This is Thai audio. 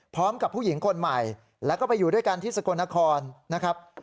ผู้หญิงคนใหม่แล้วก็ไปอยู่ด้วยกันที่สกลนครนะครับ